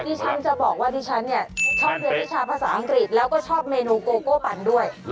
ที่ฉันจะบอกว่าที่ฉันเนี่ยชอบเรียกวิชาภาษาอังกฤษ